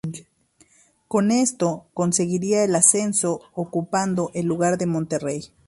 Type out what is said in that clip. Con esto conseguiría el ascenso ocupando el lugar de Monterrey.